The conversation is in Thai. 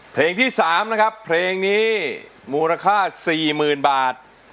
เพลงที่๓นะครับเพลงนี้มูลค่า๔๐๐๐บาท